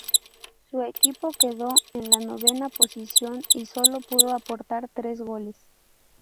Su equipo quedó en la novena posición y solo pudo aportar tres goles.